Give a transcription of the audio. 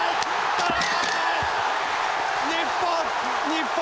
日本！